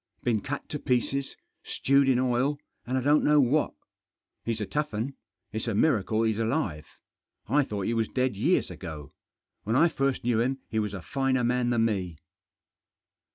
Been cut to pieces, stewed in oil, and I don't know what. He's a tough 'un. It's a miracle he's alive. I thought he was dead years ago. When I first knew him he was a finer man than me."